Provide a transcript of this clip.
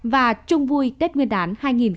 và chung vui tết nguyên đán hai nghìn hai mươi